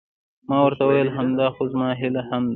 ما ورته وویل: همدا خو زما هیله هم وه.